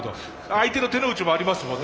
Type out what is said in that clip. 相手の手の内もありますもんね